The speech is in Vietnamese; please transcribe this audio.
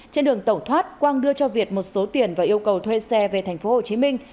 trên đường tẩu thoát quang đưa cho việt một số tiền và yêu cầu thuê xe về thành phố hồ chí minh